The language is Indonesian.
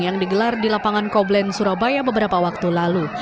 yang digelar di lapangan koblen surabaya beberapa waktu lalu